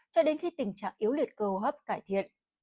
cho đến khi tình trạng yếu liệt cơ hấp cải thiện